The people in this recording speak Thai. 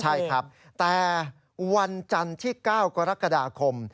ใช่ครับแต่วันจันทร์ที่๙กรกฎาคม